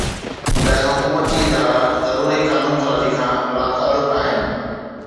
ته حڪومتي ادارا ضروري قانون سازي کان لاتعلق آهن